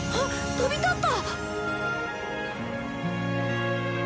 飛び立った！